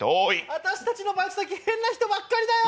私たちのバイト先、変な人ばっかりだよ。